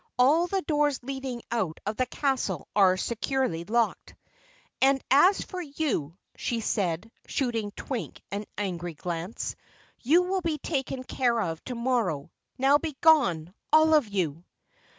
All the doors leading out of the castle are securely locked. And as for you," she said, shooting Twink an angry glance, "you will be taken care of tomorrow. Now be gone all of you!"